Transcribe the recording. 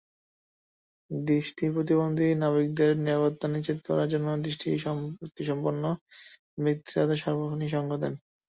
দৃষ্টিপ্রতিবন্ধী নাবিকদের নিরাপত্তা নিশ্চিত করার জন্য দৃষ্টিশক্তিসম্পন্ন ব্যক্তিরা তাঁদের সার্বক্ষণিক সঙ্গ দেন।